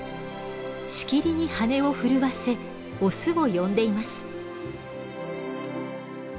しきりに羽を震わせオスを呼んでいます。